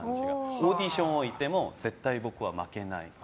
オーディションにおいても絶対、僕は負けない。